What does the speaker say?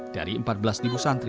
dari empat belas santri